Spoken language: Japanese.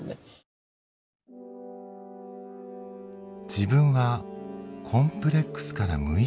自分はコンプレックスから無意識に